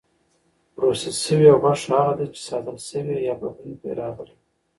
پروسس شوې غوښه هغه ده چې ساتل شوې یا بدلون پرې راغلی وي.